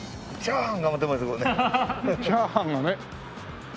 チャーハンがね。